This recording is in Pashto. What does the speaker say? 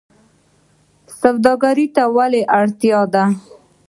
سوداګرۍ ته ولې اړتیا ده؟